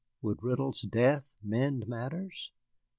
Would Riddle's death mend matters?